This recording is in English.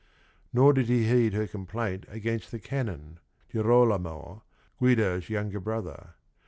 Nor did he heed her complaint against the canon, Girolamo, Guido's younger brother.